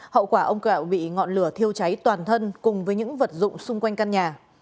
hậu quả ông gạo bị ngọn lửa thiêu cháy toàn thân cùng với những vật dụng xung quanh căn nhà